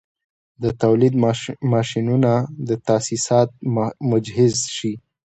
د تولید ماشینونه او تاسیسات مجهز شي